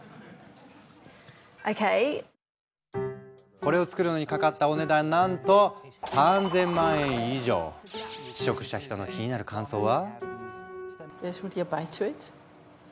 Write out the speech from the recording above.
これを作るのにかかったお値段なんと試食した人の気になる感想は？